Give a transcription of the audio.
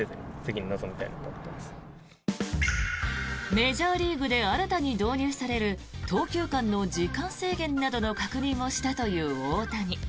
メジャーリーグで新たに導入される投球間の時間制限などの確認をしたという大谷。